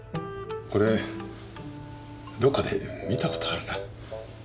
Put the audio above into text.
これどっかで見たことあるな。